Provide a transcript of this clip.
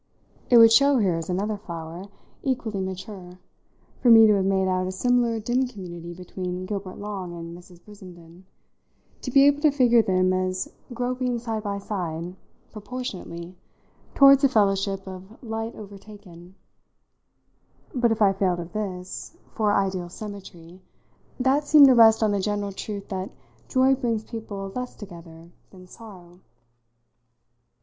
It would show here as another flower, equally mature, for me to have made out a similar dim community between Gilbert Long and Mrs. Brissenden to be able to figure them as groping side by side, proportionately, towards a fellowship of light overtaken; but if I failed of this, for ideal symmetry, that seemed to rest on the general truth that joy brings people less together than sorrow.